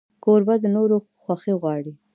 کوربه د نورو خوښي غواړي.